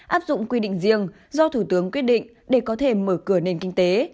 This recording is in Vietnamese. áp dụng quy định riêng do thủ tướng quyết định để có thể mở cửa nền kinh tế